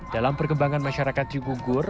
dalam perkembangan masyarakat cikugur